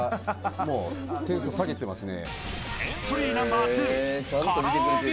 もう点数を下げてますね。